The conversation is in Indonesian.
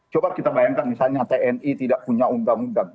coba kita bayangkan misalnya tni tidak punya undang undang